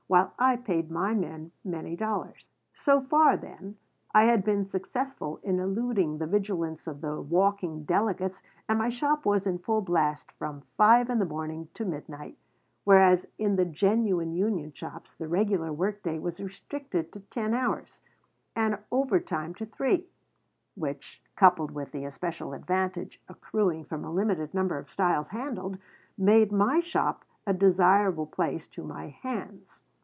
while I paid my men many dollars So far, then, I had been successful in eluding the vigilance of the walking delegates and my shop was in full blast from 5 in the morning to midnight, whereas in the genuine union shops the regular workday was restricted to ten hours, and overtime to three, which, coupled with the especial advantage accruing from a limited number of styles handled, made my shop a desirable place to my "hands."